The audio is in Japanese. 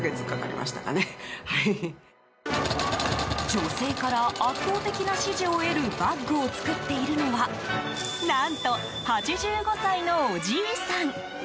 女性から圧倒的な支持を得るバッグを作っているのは何と８５歳のおじいさん。